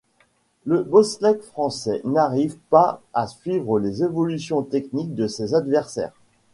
Le bobsleigh français n'arrive pas à suivre les évolutions techniques de ses adversaires.